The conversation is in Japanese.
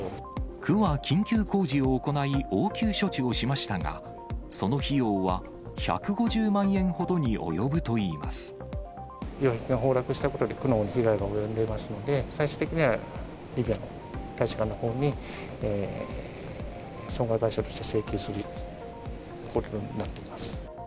区は緊急工事を行い、応急処置をしましたが、その費用は１５０万円ほどに及ぶといいま擁壁が崩落したことで、区のほうに被害が及んでいますので、最終的にはリビアの大使館のほうに、損害賠償として請求することになっています。